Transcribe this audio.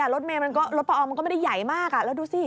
รถประอองมันก็ไม่ได้ใหญ่มากแล้วดูสิ